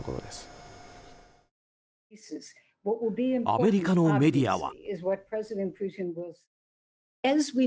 アメリカのメディアは。